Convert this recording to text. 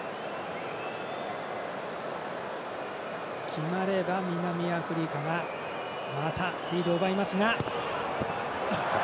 決まれば南アフリカがまた、リードを奪いますが。